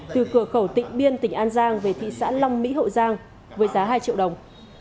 từ cửa khẩu tỉnh biên tỉnh an giang về thị xã long mỹ hậu giang với giá hai triệu đồng